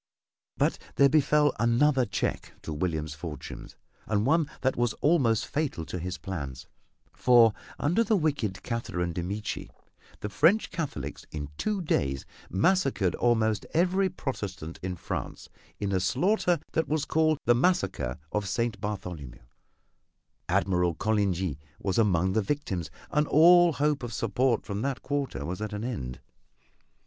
But there befell another check to William's fortunes, and one that was almost fatal to his plans, for under the wicked Catherine de Medici the French Catholics in two days massacred almost every Protestant in France in a slaughter that was called the Massacre of St. Bartholomew. Admiral Coligny was among the victims, and all hope of support from that quarter was at an end.